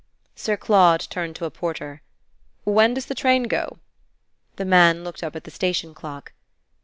Sir Claude turned to a porter. "When does the train go?" The man looked up at the station clock.